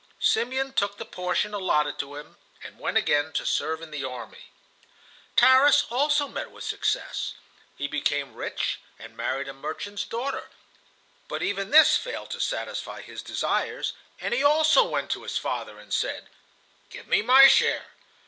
Simeon took the portion allotted to him, and went again to serve in the army. Tarras also met with success. He became rich and married a merchant's daughter, but even this failed to satisfy his desires, and he also went to his father and said, "Give me my share."